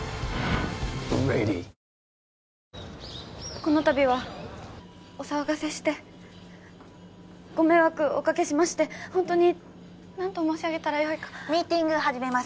この度はお騒がせしてご迷惑おかけしましてホントに何と申し上げたらよいかミーティング始めます